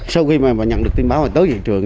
sau khi mà nhận được tin báo tới hiện trường